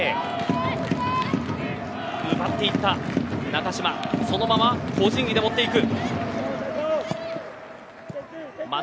奪っていった中嶋が、そのまま個人技で持っていく。